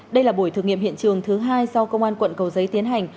đây là buổi thực nghiệm hiện trường thứ hai do công an quận cầu giấy tiến hành